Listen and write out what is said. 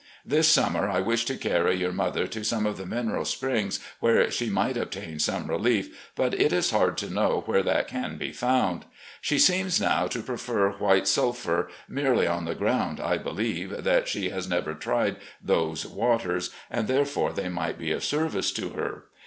This summer I wish to carry your mother to some of the mineral springs where she might obtain some relief, but it is hard to know where that can be found. She seems now to prefer White Sulphur, merely on the grotmd, I be lieve, that she has never tried those waters, and, therefore, they might be of service to her.